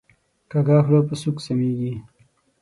کږه خوله په سوک سمیږي